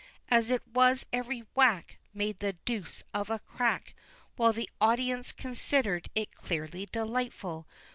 As it was, every whack Make the deuce of a crack, While the audience considered it clearly delightful.